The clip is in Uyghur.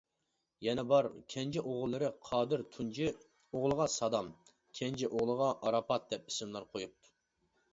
يەنە بار، كەنجى ئوغۇللىرى قادىر تۇنجى ئوغلىغا سادام، كەنجى ئوغلىغا ئاراپات دەپ ئىسىملار قويۇپتۇ.